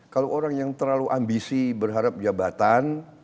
kalau orang yang terlalu ambisi berharap jabatan